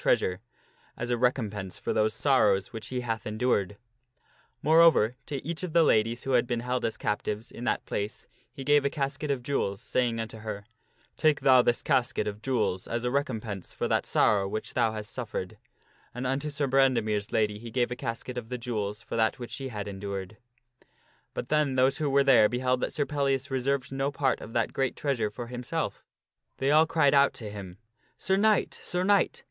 treasures of Sir as a recompense for those sorrows which he hath endured, Adrtsack among Moreover, to each of the ladies who had been held as captives the ca P tives in that place, he gave a casket of jewels, saying unto her, " Take thou this casket of jewels as a recompense for that sorrow which thou hast suffered. And unto Sir Brandemere's lady he gave a casket of the jewels for that which she had endured. But then those who were there beheld that Sir Pellias reserved no part of that great treasure for himself, they all cried out upon him :" Sir Knight ! Sir Knight!